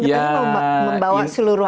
kita mau membawa seluruh